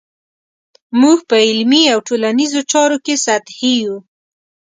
موږ په علمي او ټولنیزو چارو کې سطحي یو.